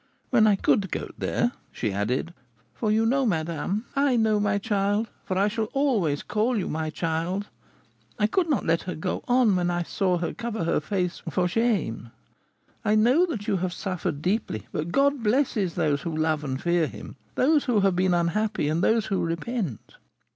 When I could go there,' she added, 'for you know, madame ' 'I know, my child, for I shall always call you my child (I could not let her go on when I saw her cover her face for shame), I know that you have suffered deeply; but God blesses those who love and fear him, those who have been unhappy, and those who repent.'"